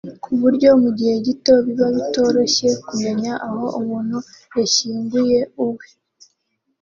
ku buryo mu gihe gito biba bitoroshye kumenya aho umuntu yashyinguye uwe